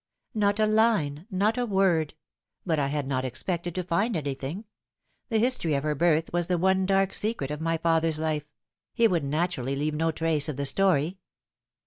" Not a line not a word. But I had not expected to find anything. The history of her birth was the one dark secret of my father's life he would naturally leave no trace of the story."